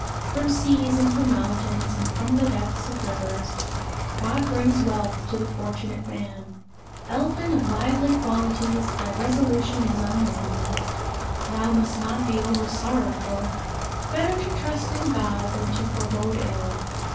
From seas, and from mountains, And from the depths of rivers, God brings wealth to the fortunate man. Elphin of lively qualities, Thy resolution is unmanly: Thou must not be oversorrowful: Better to trust in God than to forebode ill.